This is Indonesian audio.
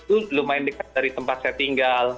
itu lumayan dekat dari tempat saya tinggal